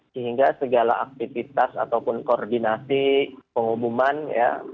sehingga segala aktivitas ataupun koordinasi pengumuman ya